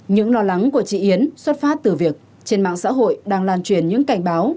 những lo lắng của chị yến xuất phát từ việc trên mạng xã hội đang lan truyền những cảnh báo